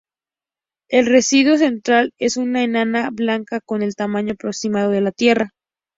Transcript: El residuo central es una enana blanca con el tamaño aproximado de la Tierra.